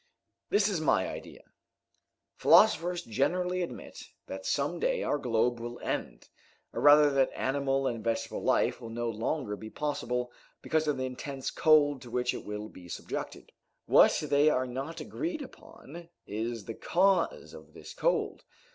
"This is my idea: philosophers generally admit that some day our globe will end, or rather that animal and vegetable life will no longer be possible, because of the intense cold to which it will be subjected. What they are not agreed upon, is the cause of this cold.